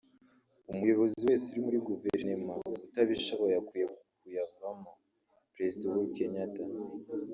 umuyobozi wese uri muri guverinoma utabishoboye akwiye kuyavamo’’ Perezida uhuru Kenyatta